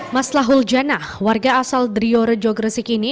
mas lahul jannah warga asal drio rejogresik ini